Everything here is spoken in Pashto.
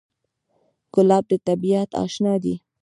ګلاب د طبیعت اشنا دی.